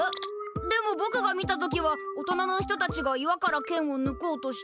でもぼくが見た時は大人の人たちが岩から剣をぬこうとして。